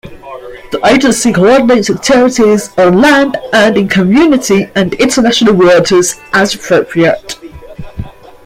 The Agency coordinates activities on land and in Community and international waters, as appropriate.